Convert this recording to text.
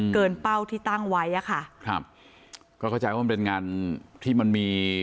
เป้าที่ตั้งไว้อ่ะค่ะครับก็เข้าใจว่ามันเป็นงานที่มันมี